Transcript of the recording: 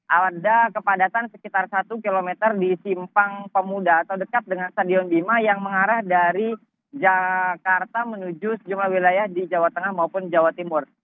ada kepadatan sekitar satu km di simpang pemuda atau dekat dengan stadion bima yang mengarah dari jakarta menuju sejumlah wilayah di jawa tengah maupun jawa timur